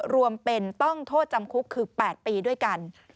รวมเป็นต้องโทษจำคุกคือ๘ปีด้วยกัน